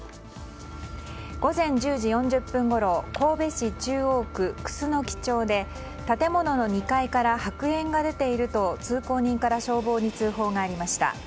午前１０時４０分ごろ神戸市中央区楠町で建物の２階から白煙が出ていると通行人から消防に通報がありました。